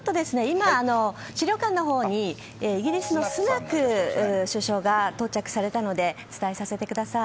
今、資料館のほうにイギリスのスナク首相が到着されたので伝えさせてください。